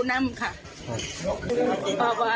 แต่เขาซอยเวียกซอยงานพอไยไม่ไยได้ดี